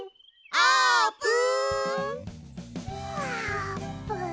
あーぷん。